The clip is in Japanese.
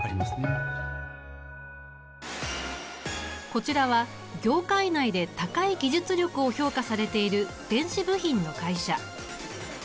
こちらは業界内で高い技術力を評価されている電子部品の会社。